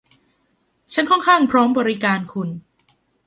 ฉันค่อนข้างพร้อมบริการคุณ